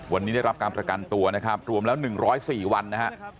วันนี้ได้รับการประกันตัวนะครับรวมแล้ว๑๐๔วันนะฮะ